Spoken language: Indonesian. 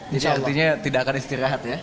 jadi artinya tidak akan istirahat ya